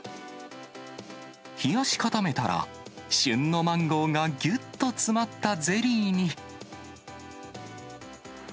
冷やし固めたら、旬のマンゴーがぎゅっと詰まったゼリーに。